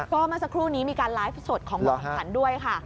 ก็เมื่อสักครู่นี้มีการไลฟ์สดของผู้แข่งขันด้วยค่ะ